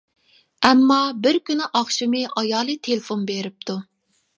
ئەمما بىر كۈنى ئاخشىمى ئايالى تېلېفون بېرىپتۇ.